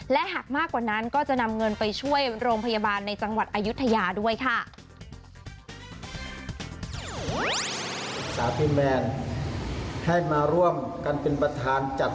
และหากมากกว่านั้นก็จะนำเงินไปช่วยโรงพยาบาลในจังหวัดอายุทยาด้วยค่ะ